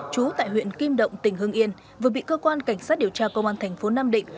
trú tại huyện kim động tỉnh hưng yên vừa bị cơ quan cảnh sát điều tra công an thành phố nam định